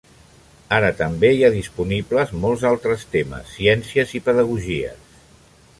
Ara també hi ha disponibles molts altres temes, ciències i pedagogies.